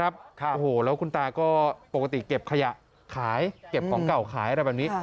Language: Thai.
โอ้โหแล้วคุณตาก็ปกติเก็บขยะขายเก็บของเก่าขายอะไรแบบนี้